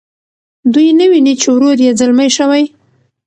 دوی نه ویني چې ورور یې ځلمی شوی.